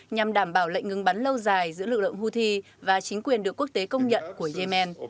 nhằm đảm bảo lệnh ngừng bắn lâu dài giữa lực lượng houthi và chính quyền được quốc tế công nhận của yemen